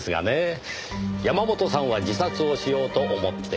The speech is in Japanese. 山本さんは自殺をしようと思っていた。